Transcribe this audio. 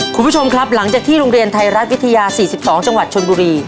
คุณผู้ชมครับหลังจากที่โรงเรียนไทยรัฐวิทยา๔๒จังหวัดชนบุรี